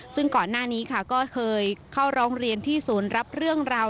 ซึ่งก่อนหน้านี้ค่ะก็เคยเข้าร้องเรียนที่ศูนย์รับเรื่องราว